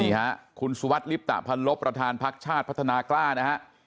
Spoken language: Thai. นี่ฮะคุณสุวัสดิลิปตะพันลบประธานพักชาติพัฒนากล้านะฮะ